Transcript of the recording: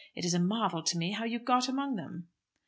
It is a marvel to me how you got among them."